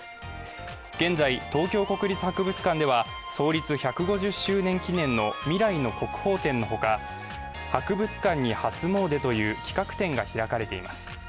現在、東京国立博物館では創立１５０周年記念の未来の国宝展の他博物館に初もうでという企画展が開かれています。